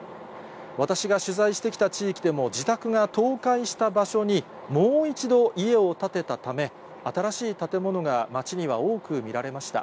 私が取材してきた地域でも、自宅が倒壊した場所に、もう一度家を建てたため、新しい建物が町には多く見られました。